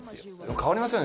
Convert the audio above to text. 変わりますよね